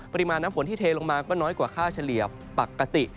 ปริมาณน้ำฝนที่เทลงมาก็น้อยกว่าค่าเฉลี่ยปกติ